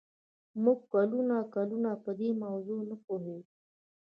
موږ کلونه کلونه په دې موضوع نه پوهېدو